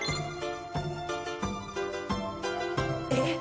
えっ⁉